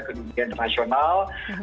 ke dunia internasional